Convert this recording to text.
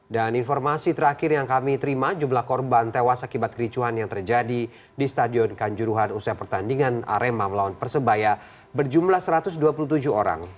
dan informasi terakhir yang kami terima jumlah korban tewas akibat kericuhan yang terjadi di stadion kanjuruhan usai pertandingan arema melawan persebaya berjumlah satu ratus dua puluh tujuh orang